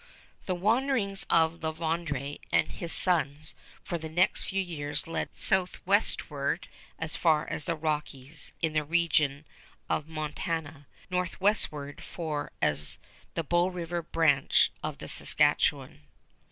The wanderings of La Vérendrye and his sons for the next few years led southwestward far as the Rockies in the region of Montana, northwestward far as the Bow River branch of the Saskatchewan.